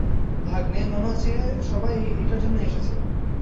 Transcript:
ভাগ্নে, মনে হচ্ছে সবাই এটার জন্যই এসেছে।